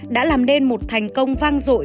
đã làm nên một thành công vang dội